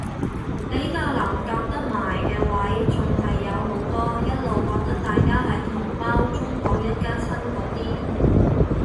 比較難夾得埋嘅位係仲有好多一路覺得大家係同胞中港一家親嗰啲